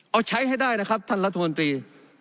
เอาใช้ให้ได้นะครับท่านรัฐมนตรี